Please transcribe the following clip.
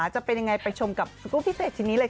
จะเป็นยังไงไปชมกับสกูลพิเศษชิ้นนี้เลยค่ะ